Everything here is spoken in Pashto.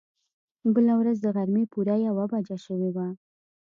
بله ورځ د غرمې پوره يوه بجه شوې وه.